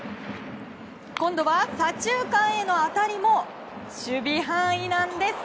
今度は左中間への当たりも守備範囲なんです。